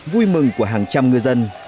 vui mừng của hàng trăm ngư dân